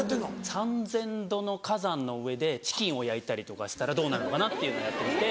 ３０００℃の火山の上でチキンを焼いたりとかしたらどうなるのかなっていうのをやってて。